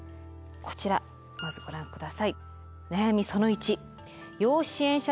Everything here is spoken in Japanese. こちらまずご覧下さい。